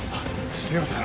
すいません。